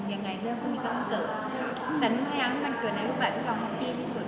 ยังไงเรื่องพวกนี้ก็ต้องเจอแต่หนูพยายามให้มันเกิดในรูปแบบที่เราแฮปปี้ที่สุด